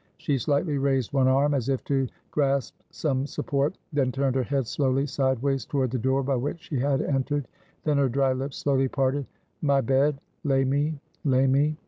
She slightly raised one arm, as if to grasp some support; then turned her head slowly sideways toward the door by which she had entered; then her dry lips slowly parted "My bed; lay me; lay me!"